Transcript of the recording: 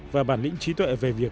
và bản lĩnh trí tuệ